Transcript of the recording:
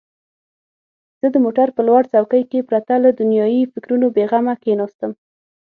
زه د موټر په لوړ څوکۍ کې پرته له دنیايي فکرونو بېغمه کښېناستم.